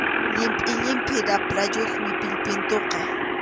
Llimpʼi llimpʼi raprayuqmi pillpintuqa.